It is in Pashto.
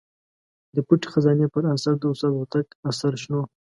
د پټې خزانې پر اثر د استاد هوتک اثر شنو.